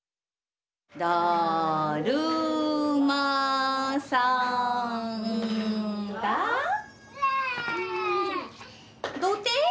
「だるまさんがどてっ」。